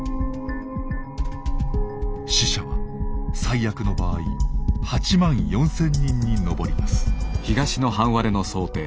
死者は最悪の場合８万４，０００人に上ります。